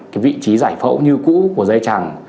cái vị trí giải phẫu như cũ của dây chẳng